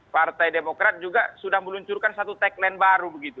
partai demokrat juga sudah meluncurkan satu tagline baru begitu